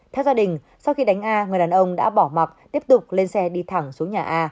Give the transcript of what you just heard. theo gia đình sau khi đánh a người đàn ông đã bỏ mặt tiếp tục lên xe đi thẳng xuống nhà a